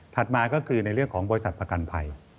มาก็คือในเรื่องของบริษัทประกันภัย